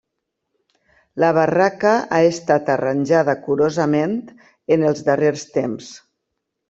La barraca ha estat arranjada curosament en els darrers temps.